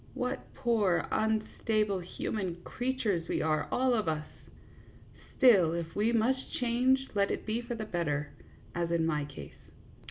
What poor, unstable, human creatures we are, all of us ! Still, if we must change, let it be for the better, as in my case.